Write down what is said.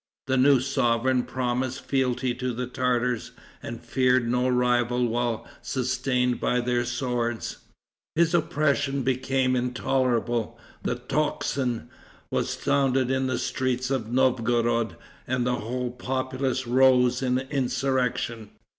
The new sovereign promised fealty to the Tartars, and feared no rival while sustained by their swords. His oppression becoming intolerable, the tocsin was sounded in the streets of Novgorod, and the whole populace rose in insurrection.